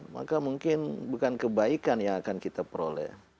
maka mungkin bukan kebaikan yang akan kita peroleh